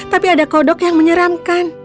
tapi ada kodok yang menyeramkan